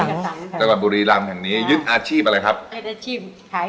กระสังจังหวัดบุรีรัมน์แห่งนี้ยึดอาชีพอะไรครับยึดอาชีพ